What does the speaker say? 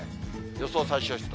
予想最小湿度。